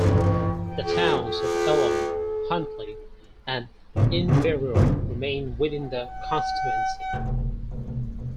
The towns of Ellon, Huntly and Inverurie remain within the constituency.